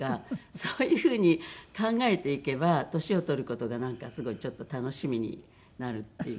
そういうふうに考えていけば年を取る事がなんかすごいちょっと楽しみになるっていう。